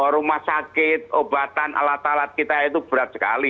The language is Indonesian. rumah sakit obatan alat alat kita itu berat sekali